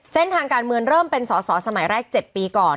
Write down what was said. เส้นทางการเมืองเริ่มเป็นสอสอสมัยแรก๗ปีก่อน